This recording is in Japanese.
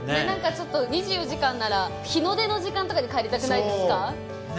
何かちょっと２４時間なら日の出の時間とかに帰りたくないですか？